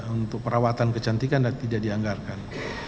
untuk perawatan kecantikan dan tidak dianggarkan